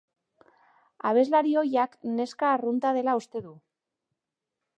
Abeslari ohiak neska arrunta dela uste du.